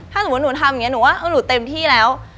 ถ้าสมมุติหนูทำอย่างนี้หนูว่าหนูเต็มที่แล้ว